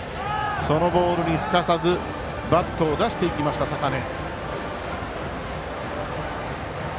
そのボールに、すかさずバットを出していきました、坂根。